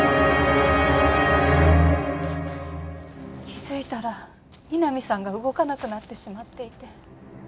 気づいたら井波さんが動かなくなってしまっていて。